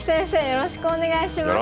よろしくお願いします。